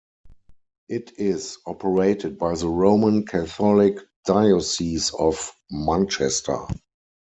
It is operated by the Roman Catholic Diocese of Manchester.